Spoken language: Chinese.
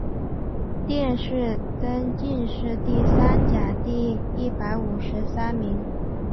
殿试登进士第三甲第一百五十三名。